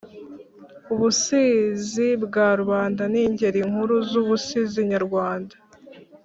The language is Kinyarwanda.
ubusizi bwa rubanda n’ingeri nkuru z’ubusizi nyarwanda